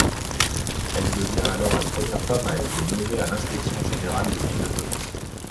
Elle devient alors la première femme à être nommée à l'Inspection générale de philosophie.